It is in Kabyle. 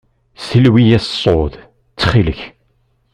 Silwi-yas ṣṣut, ttxil-k.